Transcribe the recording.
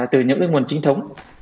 từ những nguồn chính thống